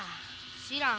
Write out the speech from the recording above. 知らん。